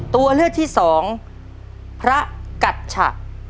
ตัวเลือกที่๒พระกัจฉะ